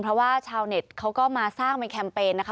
เพราะว่าชาวเน็ตเขาก็มาสร้างเป็นแคมเปญนะคะ